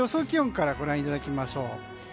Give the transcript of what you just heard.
気温からご覧いただきましょう。